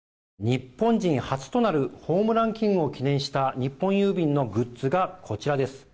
日本人初となるホームランキングを記念した日本郵便のグッズがこちらです。